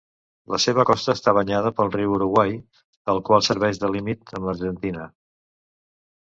La seva costa està banyada pel riu Uruguai, el qual serveix de límit amb l'Argentina.